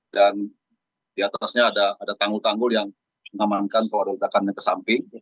dan di atasnya ada tanggul tanggul yang mengamankan kalau ada ledakan yang ke samping